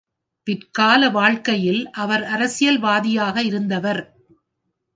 பிற்கால வாழ்க்கையில் அவர் அரசியல்வாதியாக இருந்தவர்.